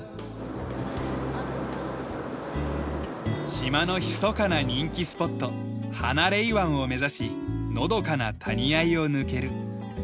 島のひそかな人気スポットハナレイ湾を目指しのどかな谷あいを抜ける。